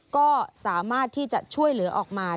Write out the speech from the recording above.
ก็สามารถที่จะช่วยเหลือออกมา